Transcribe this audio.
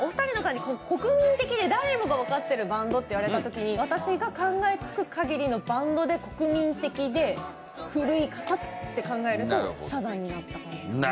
国民的で誰もがわかってるバンドって言われた時に私の考えつく限りのバンドで国民的で古い方って考えるとサザンになったかな。